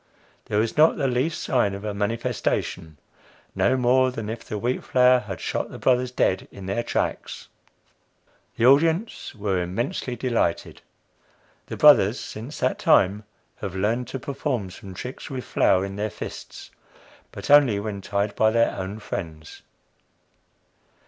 There was not the least sign of a "manifestation" no more than if the wheat flour had shot the "brothers" dead in their tracks. The audience were immensely delighted. The "brothers," since that time, have learned to perform some tricks with flour in their fists, but only when tied by their own friends.